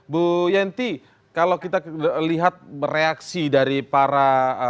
bu yenti kalau kita lihat reaksi dari para